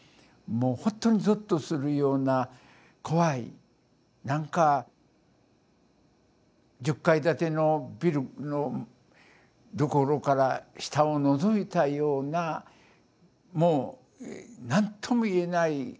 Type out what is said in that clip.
もう本当にぞっとするような怖い何か１０階建てのビルのところから下をのぞいたようなもう何とも言えない